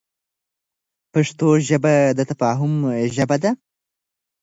پښتو ژبه د تفاهم ژبه ده.